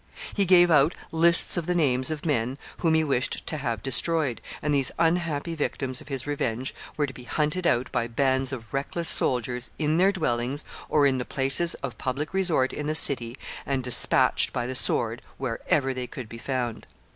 He gave out lists of the names of men whom he wished to have destroyed, and these unhappy victims of his revenge were to be hunted out by bands of reckless soldiers, in their dwellings, or in the places of public resort in the city, and dispatched by the sword wherever they could be found.